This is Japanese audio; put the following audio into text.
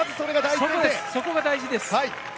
そこが大事です。